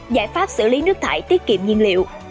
giải pháp xử lý nước thải tiết kiệm nhiên liệu